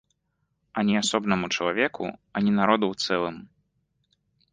Ані асобнаму чалавеку, ані народу ў цэлым.